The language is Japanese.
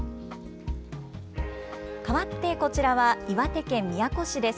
かわってこちらは岩手県宮古市です。